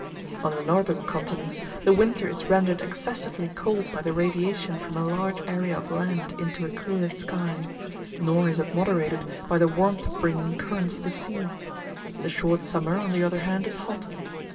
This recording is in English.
On the northern continents, the winter is rendered excessively cold by the radiation from a large area of land into a clear sky, nor is it moderated by the warmth bringing currents of the sea; the short summer, on the other hand, is hot.